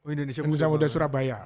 indonesia muda surabaya